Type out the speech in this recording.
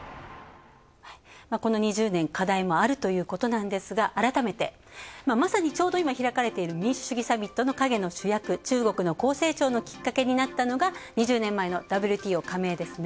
この２０年、課題もあるということなんですが改めて、まさにちょうど今、開かれている民主主義サミットの陰の主役、中国の高成長のきっかけになったのが２０年前のＷＴＯ加盟ですね。